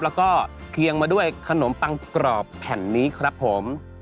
แล้วก็เคียงมาด้วยขนมปังกรอบแผ่นนี้ครับผม